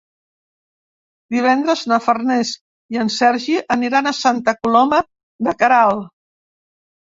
Divendres na Farners i en Sergi aniran a Santa Coloma de Queralt.